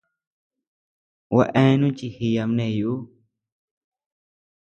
Gua eanu chi jiyabney ú.